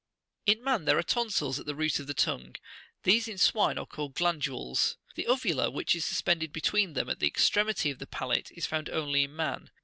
In man there are tonsils at the root of the tongue ; these in swine are called the glandules. The uvula,56 which is suspended between them at the extremity of the palate, is found only in man.